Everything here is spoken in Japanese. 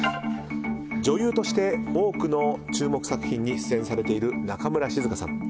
女優として多くの注目作品に出演されている中村静香さん。